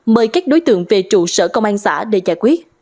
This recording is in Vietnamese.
mời các đối tượng về trụ sở công an xã để giải quyết